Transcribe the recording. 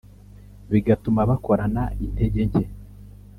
bigatuma bakorana intege nke